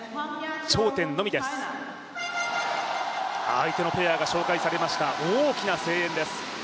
相手のペアが紹介されました、大きな声援です。